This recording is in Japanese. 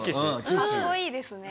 かっこいいですね。